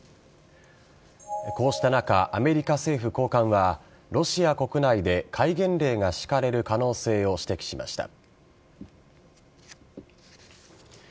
こうした中アメリカ政府高官はロシア国内で戒厳令が敷かれる可能性を指摘しました。